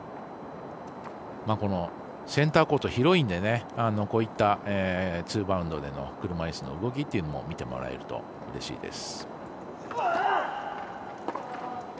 センターコート広いのでこういったツーバウンドでの車いすの動きっていうのも見てもらえるとうれしいです。